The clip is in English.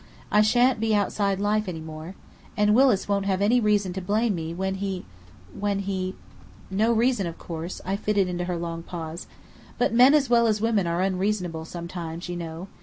I shan't be outside life any more. And Willis won't have any reason to blame me when he when he " "No reason, of course," I fitted into her long pause. "But men as well as women are unreasonable, sometimes, you know.